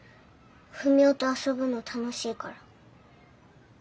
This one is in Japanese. ふみおと遊ぶの楽しいから。